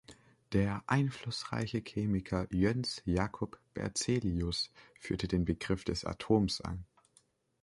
Der einflussreiche Chemiker Jöns Jakob Berzelius führte den Begriff des Atoms ein.